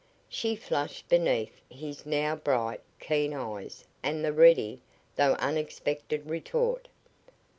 She flushed beneath his now bright, keen eyes and the ready, though unexpected retort.